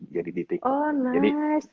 jadi di tiktok jadi